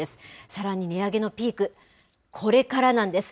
さらに値上げのピーク、これからなんです。